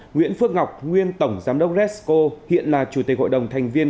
nguyễn phước ngọc nguyên tổng giám đốc resco hiện là chủ tịch hội đồng thành viên